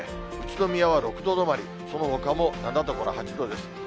宇都宮は６度止まり、そのほかも７度から８度です。